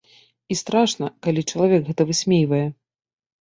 І страшна, калі чалавек гэта высмейвае.